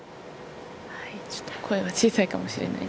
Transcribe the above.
はい、ちょっと声は小さいかもしれません。